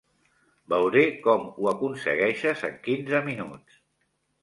Veuré com ho aconsegueixes en quinze minuts.